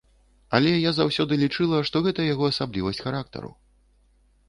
Але я заўсёды лічыла, што гэта яго асаблівасць характару.